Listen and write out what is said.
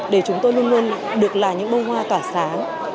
để chúng tôi luôn luôn được là những bông hoa tỏa sáng